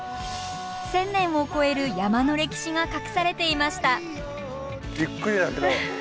千年を超える山の歴史が隠されていました。